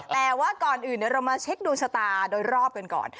แต่ว่าก่อนอื่นเดี๋ยวเรามาเช็คดวงชะตาโดยรอบกันก่อน